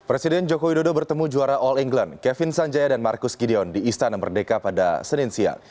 presiden joko widodo bertemu juara all england kevin sanjaya dan marcus gideon di istana merdeka pada senin siang